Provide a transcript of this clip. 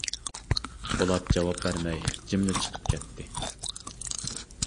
پولات جاۋاب بەرمەي جىملا چىقىپ كەتتى.